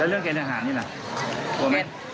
แล้วเรื่องเกณฑ์อาหารนี้ล่ะ